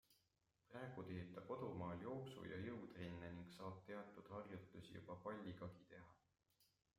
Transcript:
Praegu teeb ta kodumaal jooksu- ja jõutrenne ning saab teatud harjutusi juba palligagi teha.